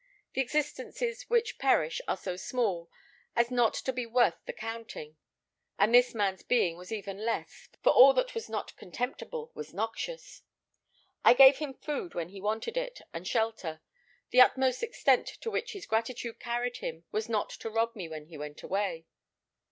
The existences which perish are so small as not to be worth the counting; and this man's being was even less, for all that was not contemptible was noxious. I gave him food when he wanted it, and shelter. The utmost extent to which his gratitude carried him was not to rob me when he went away.